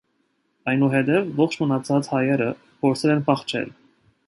Այնուհետև ողջ մնացած հայերը փորձել են փախչել։